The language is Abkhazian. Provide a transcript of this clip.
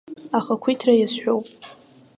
Ахақәиҭра иазҳәоуп.